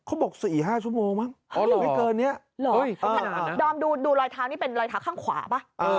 เขาบอกสี่ห้าชั่วโมงมั้งอ๋อเหลือไม่เกินเนี้ยหรอโอ้ยเออดอมดูดูรอยเท้านี่เป็นรอยเท้าข้างขวาป่ะ